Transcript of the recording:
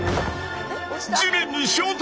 地面に衝突！